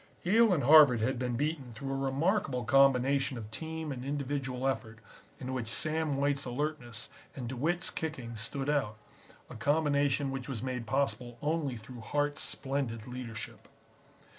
Yale and Harvard had been beaten through a remarkable combination of team and individual effort in which Sam White's alertness and DeWitt's kicking stood out; a combination which was made possible only through Hart's splendid leadership.